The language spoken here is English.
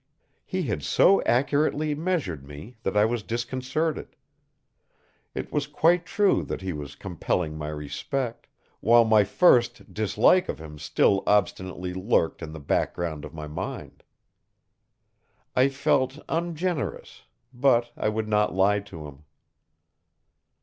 He had so accurately measured me that I was disconcerted. It was quite true that he was compelling my respect, while my first dislike of him still obstinately lurked in the background of my mind. I felt ungenerous, but I would not lie to him.